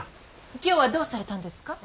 今日はどうされたんですか。